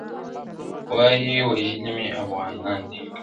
وايی وژلي مي افغانان دي ..